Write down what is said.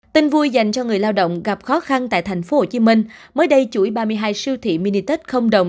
tình vui dành cho người lao động gặp khó khăn tại tp hcm mới đây chuỗi ba mươi hai siêu thị mini tết không đồng